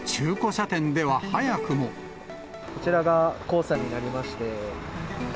こちらが黄砂になりまして。